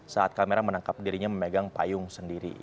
saat kamera menangkap dirinya memegang payung sendiri